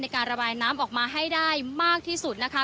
การระบายน้ำออกมาให้ได้มากที่สุดนะคะ